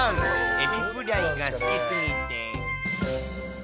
エビフライが好きすぎて。